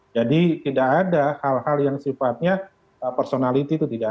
jadi tidak ada hal hal yang sifatnya personality itu tidak